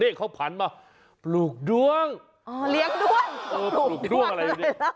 เนี้ยเขาผันมาปลูกดวงอ๋อเลี้ยงดวงเออปลูกดวงอะไร